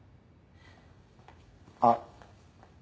あっ。